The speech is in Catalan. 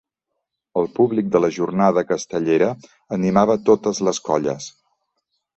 El públic de la jornada castellera animava totes les colles.